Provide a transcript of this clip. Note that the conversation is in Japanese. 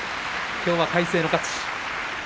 きょうは魁聖の勝ち。